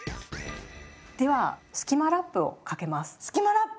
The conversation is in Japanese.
では「スキマラップ」をかけます。